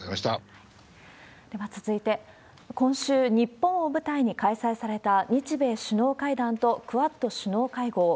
では続いて、今週、日本を舞台に開催された日米首脳会談とクアッド首脳会合。